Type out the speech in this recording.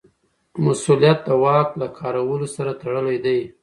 مسوولیت د واک له کارولو سره تړلی دی.